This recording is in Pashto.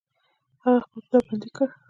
هغه خپل پلار بندي کړ.